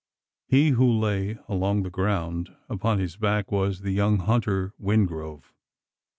He who lay along the ground, upon his back, was the young hunter Wingrove.